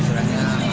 dia sudah lama